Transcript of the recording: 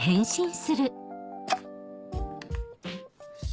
よし。